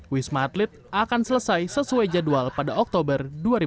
wisma atlet akan selesai sesuai jadwal pada oktober dua ribu dua puluh